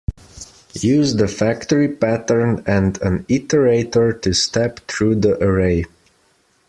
Use the factory pattern and an iterator to step through the array.